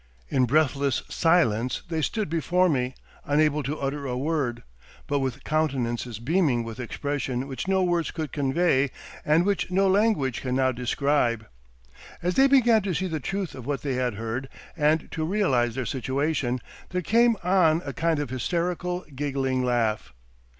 In breathless silence they stood before me, unable to utter a word, but with countenances beaming with expression which no words could convey, and which no language can now describe. As they began to see the truth of what they had heard, and to realize their situation, there came on a kind of hysterical, giggling laugh.